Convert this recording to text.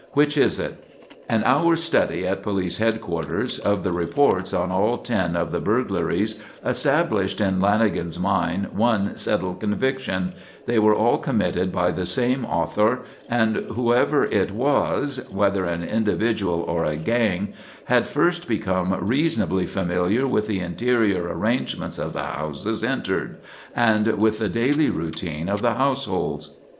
"Which is it?" An hour's study at police headquarters of the reports on all ten of the burglaries established in Lanagan's mind one settled conviction: they were all committed by the same author, and whoever it was whether an individual or a gang had first become reasonably familiar with the interior arrangements of the houses entered, and with the daily routine of the households.